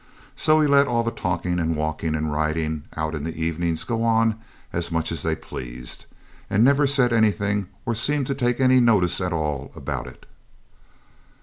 So we let all the talking and walking and riding out in the evening go on as much as they pleased, and never said anything or seemed to take any notice at all about it.